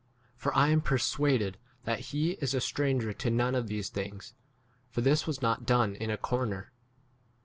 For I am persuaded that he is a stranger to none of these things ; for this was not done in 2 ? a corner.